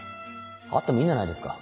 あってもいいんじゃないですか